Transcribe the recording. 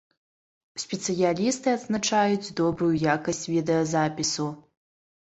Спецыялісты адзначаюць добрую якасць відэазапісу.